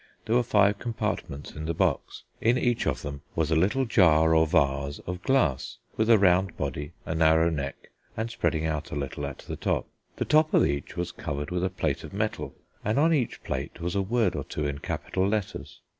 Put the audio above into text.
There were five compartments in the box: in each of them was a little jar or vase of glass with a round body, a narrow neck, and spreading out a little at the top. The top of each was covered with a plate of metal and on each plate was a word or two in capital letters.